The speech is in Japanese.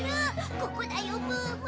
ここだよムームー。